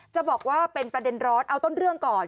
จะบอกว่าเป็นประเด็นร้อนเอาต้นเรื่องก่อน